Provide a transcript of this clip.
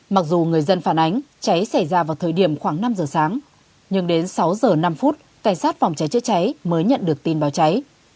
mặc dù người dân phản ánh cháy xảy ra vào thời điểm khoảng năm giờ sáng nhưng đến sáu giờ năm phút cảnh sát phòng cháy chữa cháy mới nhận được tin báo cháy